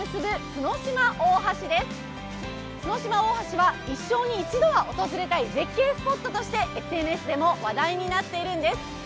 角島大橋は一生に一度は訪れたい絶景スポットとしてＳＮＳでも話題になっているんです。